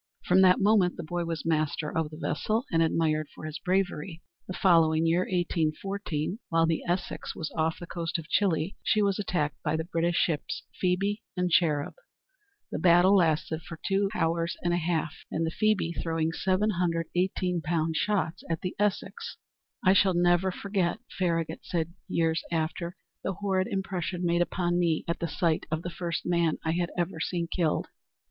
From that moment the boy was master of the vessel, and admired for his bravery. The following year, 1814, while the Essex was off the coast of Chili, she was attacked by the British ships Phoebe and Cherub. The battle lasted for two hours and a half, the Phoebe throwing seven hundred eighteen pound shots at the Essex. "I shall never forget," Farragut said years after, "the horrid impression made upon me at the sight of the first man I had ever seen killed.